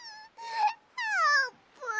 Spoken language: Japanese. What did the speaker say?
あーぷん！